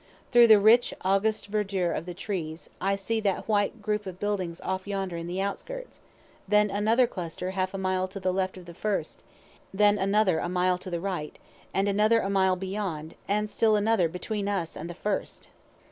Through the rich August verdure of the trees, see that white group of buildings off yonder in the outskirts; then another cluster half a mile to the left of the first; then another a mile to the right, and another a mile beyond, and still another between us and the first.